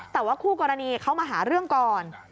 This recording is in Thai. แต่ว่าคู่กรณีเขามาหาเรื่องก่อน